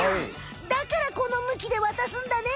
だからこの向きで渡すんだね！